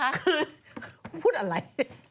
ไม่ใช่คือพูดอะไร